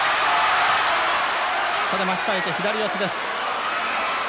ここで巻き替えて左四つです。